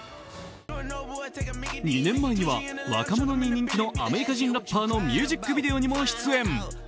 ２年前には若者に人気のアメリカ人ラッパーのミュージックビデオにも出演。